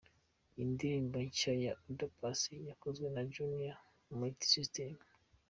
Iyi ndirimbo nshya ya Oda Paccy yakozwe na Junior Multisystem.